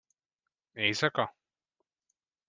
Éjszaka?